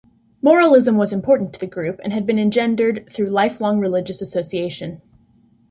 Moralism was important to the group, and had been engendered through lifelong religious association.